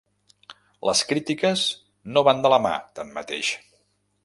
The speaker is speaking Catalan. Les crítiques no van de la mà, tanmateix.